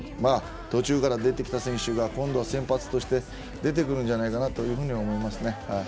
途中から出てきた選手が今度は、先発として出てくるんじゃないかなというふうに思いますね。